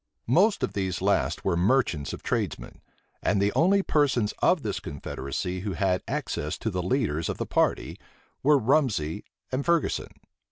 Most of these last were merchants or tradesmen; and the only persons of this confederacy who had access to the leaders of the party, were Rumsey and Ferguson.